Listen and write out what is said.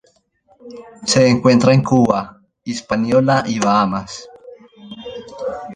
Se encuentra en Cuba, Hispaniola y Bahamas.